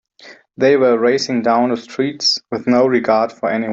They were racing down the streets with no regard for anyone.